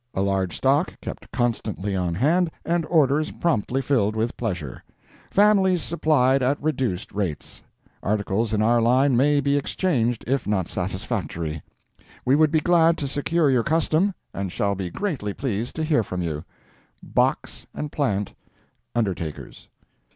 A large stock kept constantly on hand, and orders promptly filled with pleasure. Families supplied at reduced rates. Articles in our line may be exchanged if not satisfactory. We would be glad to secure your custom, and shall be greatly pleased to hear from you. BOX & PLANT, Undertakers."